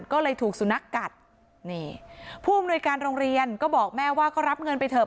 ก็เลยถูกสุนัขกัดนี่ผู้อำนวยการโรงเรียนก็บอกแม่ว่าก็รับเงินไปเถ